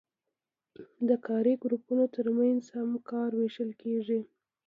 د کاري ګروپونو ترمنځ هم کار ویشل کیږي.